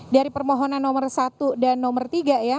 dari permohonan nomor satu dan nomor tiga ya